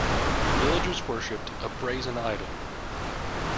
The villagers worshipped a brazen idol